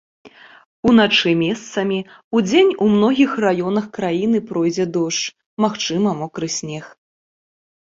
Уначы месцамі, удзень у многіх раёнах краіны пройдзе дождж, магчымы мокры снег.